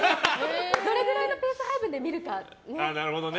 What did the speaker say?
どれくらいのペース配分で見るかね。